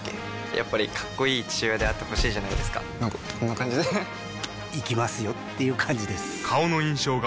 やっぱりかっこいい父親であってほしいじゃないですかなんかこんな感じで行きますよっていう感じです